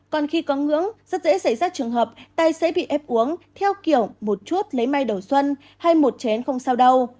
còn khi có ngưỡng rất dễ xảy ra trường hợp tài xế bị ép uống theo kiểu một chút lấy may đậu xuân hay một chén không sao đâu